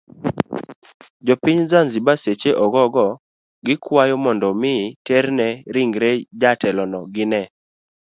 Jopiny zanziba seche ogogo gikwayo mondo mi terne ringre jatelono ginee